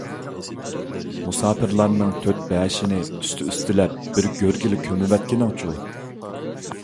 مۇساپىرلارنىڭ تۆت - بەشىنى ئۈستى - ئۈستىلەپ بىر گۆرگىلا كۆمۈۋەتكىنىڭچۇ؟...